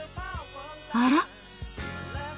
あら？